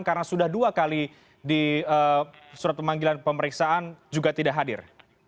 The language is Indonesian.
karena sudah dua kali di surat pemanggilan pemeriksaan juga tidak hadir